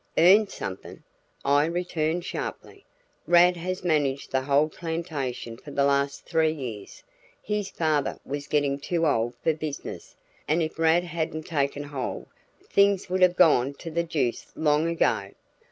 "Earn something!" I returned sharply. "Rad has managed the whole plantation for the last three years. His father was getting too old for business and if Rad hadn't taken hold, things would have gone to the deuce long ago.